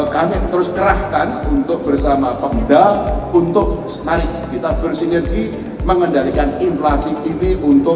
kami terus kerahkan untuk bersama pemda untuk mari kita bersinergi mengendalikan inflasi ini untuk